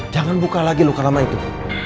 jangan buka lagi luka lama itu